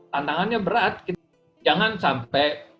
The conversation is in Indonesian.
tantangannya berat jangan sampai